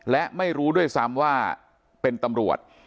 และไม่รู้ด้วยซ้ำว่าเป็นตำรวจ